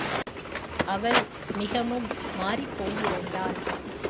அவள் மிகவும் மாறிப்போயிருந்தாள்.